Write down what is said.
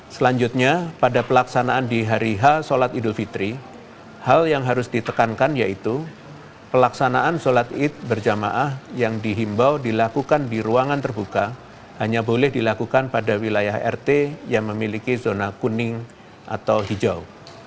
selanjutnya pada pelaksanaan di hari h sholat idul fitri hal yang harus ditekankan yaitu pelaksanaan sholat id berjamaah yang dihimbau dilakukan di ruangan terbuka hanya boleh dilakukan pada wilayah rt yang memiliki zona kuning atau hijau